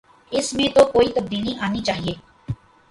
اس میں تو کوئی تبدیلی آنی چاہیے۔